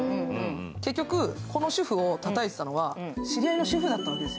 結局、この主婦をたたいていたのは知り合いの主婦だったわけです。